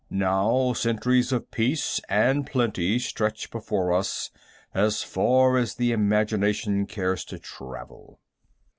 Now centuries of peace and plenty stretch before us as far as the imagination cares to travel."